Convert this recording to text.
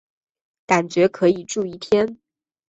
感觉可以住一天